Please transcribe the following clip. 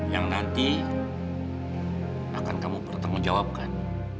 yang nanti akan kamu pertanggungjawabkan